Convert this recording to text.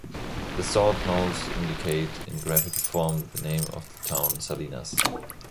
The salt knolls indicate in graphical form the name of the town: Salinas.